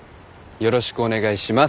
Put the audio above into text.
よろしくお願いします。